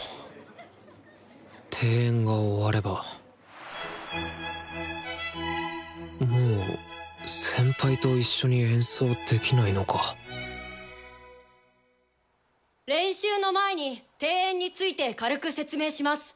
定演が終わればもう先輩と一緒に演奏できないのか練習の前に定演について軽く説明します。